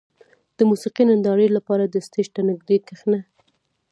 • د موسیقۍ نندارې لپاره د سټېج ته نږدې کښېنه.